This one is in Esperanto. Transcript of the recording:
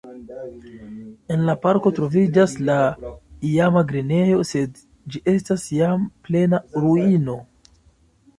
En la parko troviĝas la iama grenejo, sed ĝi estas jam plena ruino.